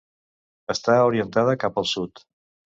Està orientada cap al sud.